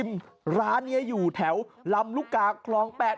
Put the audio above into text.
อิ่มร้านนี้อยู่แถวลำรุกาคลองแปด